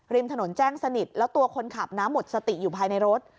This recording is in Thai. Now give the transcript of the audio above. ถนนแจ้งสนิทแล้วตัวคนขับนะหมดสติอยู่ภายในรถ